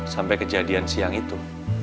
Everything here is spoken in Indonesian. sampai kejadian siang itu